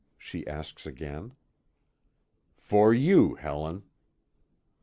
she asks again. "For you, Helen."